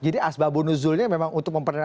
jadi asbabun nuzulnya memang untuk memperkenalkan